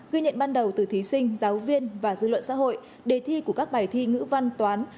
ghi nhận ban đầu từ thí sinh giáo viên và dư luận xã hội đề thi của các bài thi ngữ văn toán